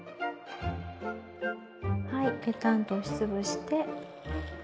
はいぺたんと押し潰して。